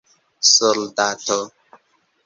soldato